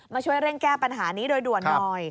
ช่วยเร่งแก้ปัญหานี้โดยด่วนหน่อย